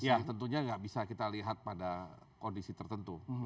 ya tentunya tidak bisa kita lihat pada kondisi tertentu